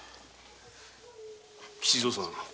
吉蔵さん